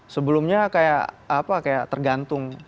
sebelumnya kayak apa kayak tergantung